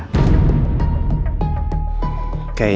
ke sekolah reina